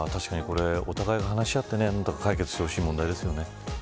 お互い話し合って解決してほしい問題ですよね。